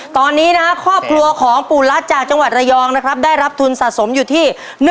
ตอนนี้ครอบครัวของปู่รัฐจากจังหวัดระยองได้รับทุนสะสมอยู่ที่